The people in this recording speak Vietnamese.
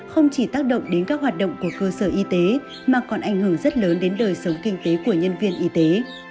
không chỉ tác động đến các hoạt động của cơ sở y tế mà còn ảnh hưởng rất lớn đến đời sống kinh tế của nhân viên y tế